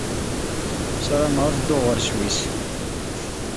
Ssarameɣ ad dduɣ ɣer Sswis.